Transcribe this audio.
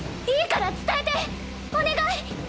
いいから伝えてお願い！